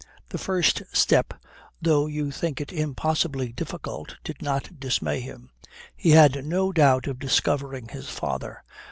The first step, though you think it impossibly difficult, did not dismay him. He had no doubt of discovering his father.